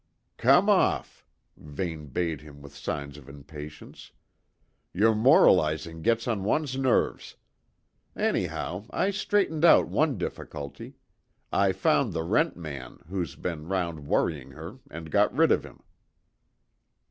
"Come off," Vane bade him with signs of impatience. "Your moralising gets on one's nerves. Anyhow, I straightened out one difficulty I found the rent man, who'd been round worrying her, and got rid of him."